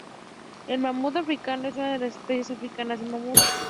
El mamut africano es una de las especies africanas de mamut.